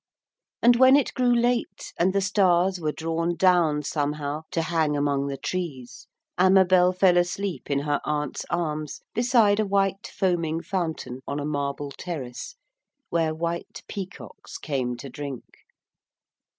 And when it grew late, and the stars were drawn down, somehow, to hang among the trees, Amabel fell asleep in her aunt's arms beside a white foaming fountain on a marble terrace, where white peacocks came to drink.